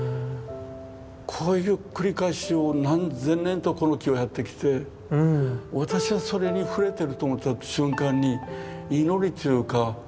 こういう繰り返しを何千年とこの木はやってきて私はそれに触れてると思った瞬間に祈りというかありがたさというか敬虔というか。